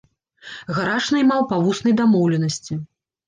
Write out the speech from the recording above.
Гараж наймаў па вуснай дамоўленасці.